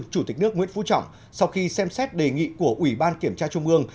chủ tịch nước nguyễn phú trọng sau khi xem xét đề nghị của ủy ban kiểm tra trung ương